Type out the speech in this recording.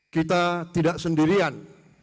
kita tidak sendirian